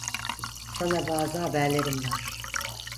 Sana bazı haberlerim var.